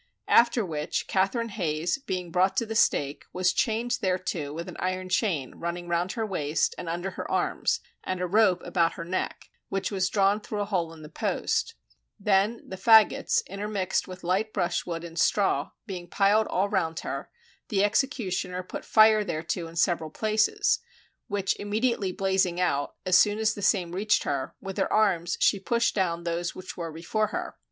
After which Catherine Hayes being brought to the stake, was chained thereto with an iron chain running round her waist and under her arms and a rope about her neck, which was drawn through a hole in the post; then the faggots, intermixed with light brush wood and straw, being piled all round her, the executioner put fire thereto in several places, which immediately blazing out, as soon as the same reached her, with her arms she pushed down those which were before her.